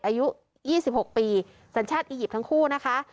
อายุ๒๖ปีสัญชาติอียิปต์ทั้งคู่นะคะ